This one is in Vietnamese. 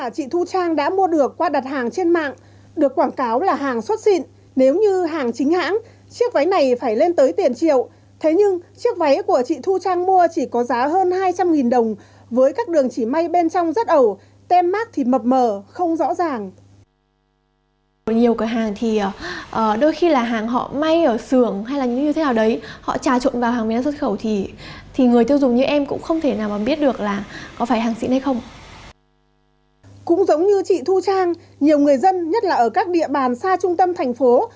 cũng giống như chị thu trang nhiều người dân nhất là ở các địa bàn xa trung tâm thành phố